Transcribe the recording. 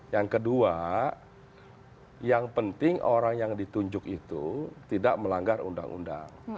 yang kedua yang penting orang yang ditunjuk itu tidak melanggar undang undang